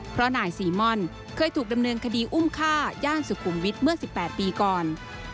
เพราะนายซีม่อนเคยถูกดำเนินคดีอุ้มฆ่าย่านสุขุมวิทย์เมื่อ๑๘ปีก่อน